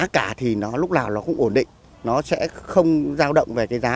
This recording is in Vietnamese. cả thì nó lúc nào nó cũng ổn định nó sẽ không giao động về cái giá